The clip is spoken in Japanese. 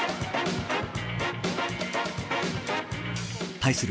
対する